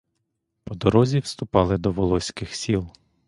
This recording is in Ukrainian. По дорозі вступали до волоських сіл.